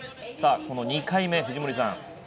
この２回目、藤森さん